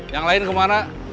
yang lain kemana